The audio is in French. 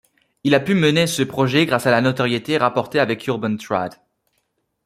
Il a pu mener ce projet grâce à la notoriété rapportée avec Urban Trad.